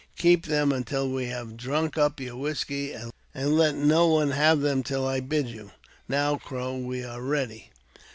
Keep them until we have drunk up your whisky, and let no one have them till I bid you. Now, Crow, we are ready."